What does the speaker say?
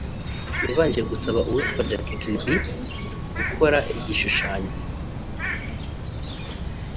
yabanje gusaba uwitwa Jack Kirby gukora igishushanyo